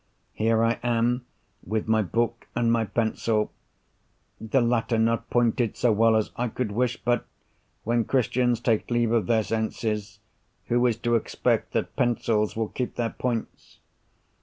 Here I am, with my book and my pencil—the latter not pointed so well as I could wish, but when Christians take leave of their senses, who is to expect that pencils will keep their points?